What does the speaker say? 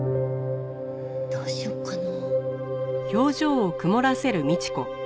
どうしようかな。